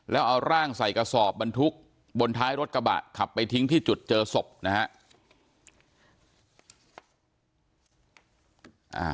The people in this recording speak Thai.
แล้วเอาร่างใส่กระสอบบรรทุกบนท้ายรถกระบะขับไปทิ้งที่จุดเจอศพนะฮะ